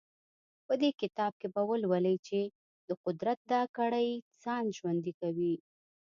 په دې کتاب کې به ولولئ چې د قدرت دا کړۍ ځان ژوندی کوي.